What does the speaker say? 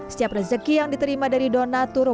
setiap rezeki yang diterima dari donatur